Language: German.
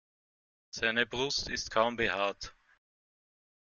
Seine Brust ist kaum behaart.